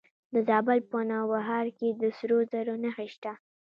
د زابل په نوبهار کې د سرو زرو نښې شته.